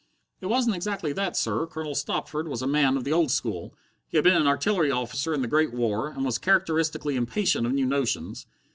"It wasn't exactly that, sir." Colonel Stopford was a man of the old school: he had been an artillery officer in the Great War, and was characteristically impatient of new notions.